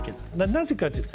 なぜかというと